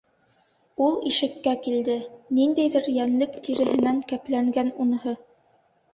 Ул ишеккә килде, ниндәйҙер йәнлек тиреһенән кәпләнгән уныһы.